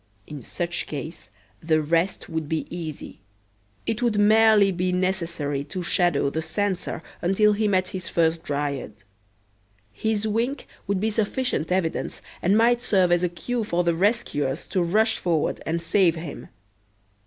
In such case the rest would be easy. It would merely be necessary to shadow the censor until he met his first dryad. His wink would be sufficient evidence and might serve as a cue for the rescuers to rush forward and save him.